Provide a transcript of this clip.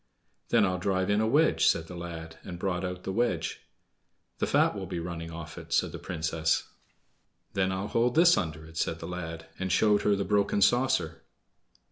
"Then I'll drive in a wedge," said the lad, and brought out the wedge. "The fat will be running off it," said the Princess. "Then I'll hold this under it," said the lad, and showed her the broken saucer.